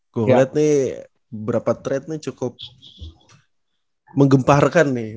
gue liat nih berapa trade nya cukup menggemparkan nih